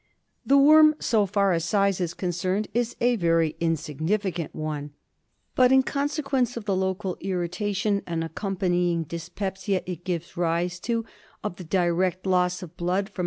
I5 The worm, so far as size is con cerned, is a very insignificant one, but in cons e quence of the local irritation and accompany ing dyspepsia it gives rise to, of the direct loss of blood from